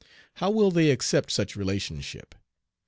How will they accept such relationship?